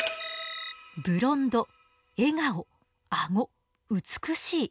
ブロンド笑顔あご美しい。